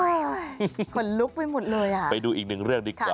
ขนลุกไปหมดเลยอ่ะไปดูอีกหนึ่งเรื่องดีกว่า